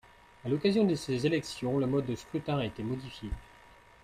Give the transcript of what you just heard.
À l'occasion de ces élections, le mode de scrutin a été modifié.